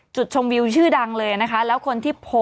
จุดชมวิวชื่อดังเลยนะคะ